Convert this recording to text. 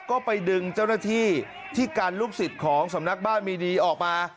ก็ไปดึงเจ้าหน้าที่ที่กันลูกศิษย์ของสำนักบ้านมีดีออกมา